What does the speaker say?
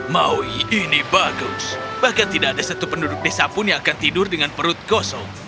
maui ini bagus bahkan tidak ada satu penduduk desa pun yang akan tidur dengan perut kosong